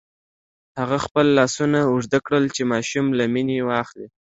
هغه خپل لاسونه اوږده کړل چې ماشوم له مينې واخلي.